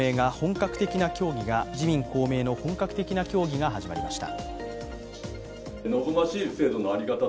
自民・公明の本格的な協議が始まりました。